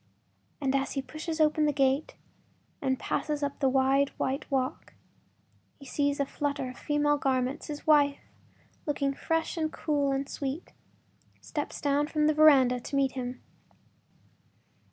As he pushes open the gate and passes up the wide white walk, he sees a flutter of female garments; his wife, looking fresh and cool and sweet, steps down from the veranda to meet him.